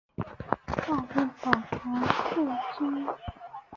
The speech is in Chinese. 照片保存至今。